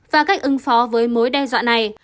và cách ứng phó với mối đe dọa này